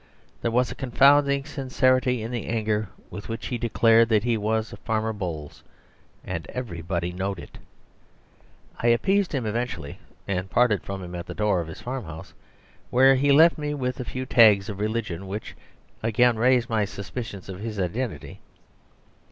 There was a confounding sincerity in the anger with which he declared that he was Farmer Bowles, and everybody knowed it. I appeased him eventually and parted from him at the door of his farmhouse, where he left me with a few tags of religion, which again raised my suspicions of his identity.